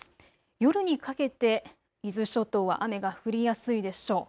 夜にかけて伊豆諸島は雨が降りやすいでしょう。